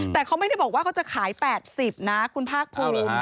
แต่เขาไม่ได้บอกว่าเขาจะขาย๘๐นะคุณภาคภูมิ